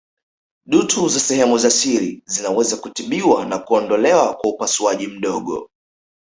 Dutu za sehemu za siri zinaweza kutibiwa na kuondolewa kwa upasuaji mdogo